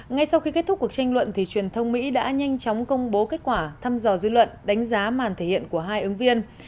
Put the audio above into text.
ngay sau khi kết thúc cuộc tranh luận truyền thông mỹ đã nhanh chóng công bố kết quả thăm dò dư luận đánh giá màn thể hiện của hai ứng viên